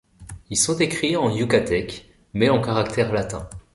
Ils sont écrits en yucatèque, mais en caractères latins.